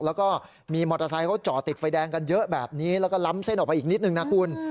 แล้วก็มีมอเตอร์ไซค์จอดติดไฟแดงกันเยอะแบบนี้แล้วก็ล้ำเส้นออกไปอีกนิดนึงนะคุณ